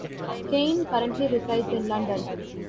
Caine currently resides in London.